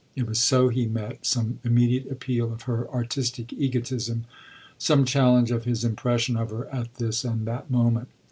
it was so he met some immediate appeal of her artistic egotism, some challenge of his impression of her at this and that moment.